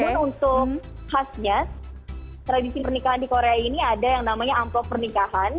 jadi khasnya tradisi pernikahan di korea ini ada yang namanya amplop pernikahan